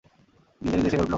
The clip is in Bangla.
নিজে নিজে সেরে উঠলো?